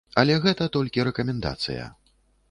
Але гэта толькі рэкамендацыя.